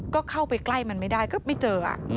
ก็เข้าไปใกล้มันไม่ได้ก็ไม่เจอ